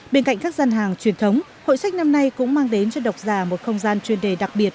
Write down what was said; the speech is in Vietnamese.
bên cạnh các gian hàng truyền thống hội sách năm nay cũng mang đến cho đọc giả một không gian chuyên đề đặc biệt